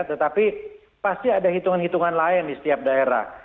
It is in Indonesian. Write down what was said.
tetapi pasti ada hitungan hitungan lain di setiap daerah